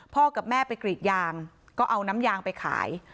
กับแม่ไปกรีดยางก็เอาน้ำยางไปขาย